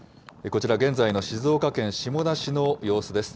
こちら、現在の静岡県下田市の様子です。